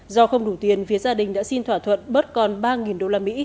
do không đủ tiền phía gia đình đã xin thỏa thuận bớt con ba usd